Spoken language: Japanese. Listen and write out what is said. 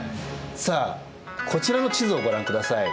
さあこちらの地図をご覧ください。